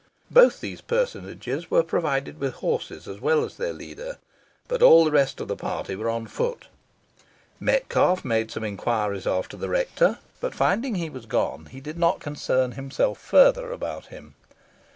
Both these personages were provided with horses as well as their leader, but all the rest of the party were on foot. Metcalfe made some inquiries after the rector, but finding he was gone, he did not concern himself further about him.